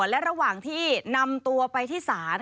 และระหว่างที่นำตัวไปที่ศาล